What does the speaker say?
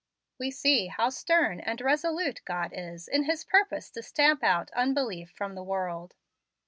We see how stern and resolute God is in His great purpose to stamp out unbelief from the world.